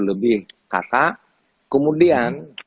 lebih kk kemudian